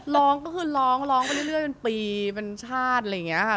ร้องก็คือร้องร้องไปเรื่อยเป็นปีเป็นชาติอะไรอย่างนี้ค่ะ